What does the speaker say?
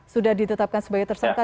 sudah ditetapkan sebagai tersangka